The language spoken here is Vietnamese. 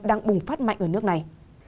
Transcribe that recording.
đang bùng phát mạnh ở nước này